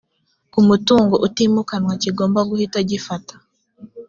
mu mutungo utimukanwa kigomba guhita gifata